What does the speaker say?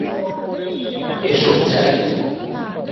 এসো, যাই।